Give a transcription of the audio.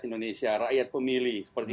indonesia rakyat pemilih seperti